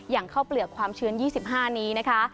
อย่างข้าวเปลือกความชื้น๒๕นี้นะคะ